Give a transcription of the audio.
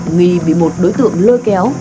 nghi bị một đối tượng lơ kéo